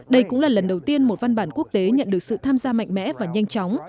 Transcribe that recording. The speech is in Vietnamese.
đây cũng là lần đầu tiên một văn bản quốc tế nhận được sự tham gia mạnh mẽ và nhanh chóng